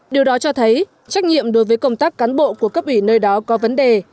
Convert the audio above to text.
điều đó cho thấy trách nhiệm đối với công tác cán bộ của cấp ủy nơi đó có vấn đề